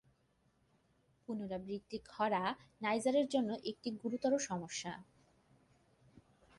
পুনরাবৃত্তি খরা নাইজারের জন্য একটি গুরুতর সমস্যা।